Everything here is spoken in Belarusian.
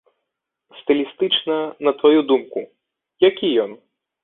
Стылістычна, на тваю думку, які ён?